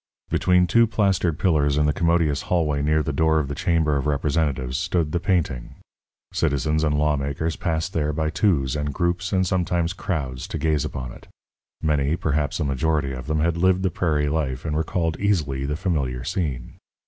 Between two plastered pillars in the commodious hallway near the door of the chamber of representatives stood the painting. Citizens and lawmakers passed there by twos and groups and sometimes crowds to gaze upon it. Many perhaps a majority of them had lived the prairie life and recalled easily the familiar scene.